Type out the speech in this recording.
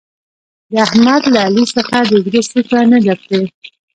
د احمد له علي څخه د زړه څوکه نه ده پرې.